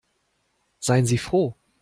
Seien Sie froh.